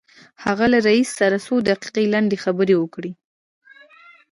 هغه له رئيس سره څو دقيقې لنډې خبرې وکړې.